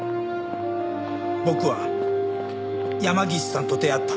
僕は山岸さんと出会った。